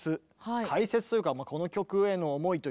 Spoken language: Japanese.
解説というかこの曲への思いというか。